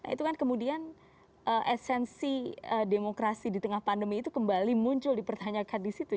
itu kan kemudian esensi demokrasi di tengah pandemi itu kembali muncul dipertanyakan di situ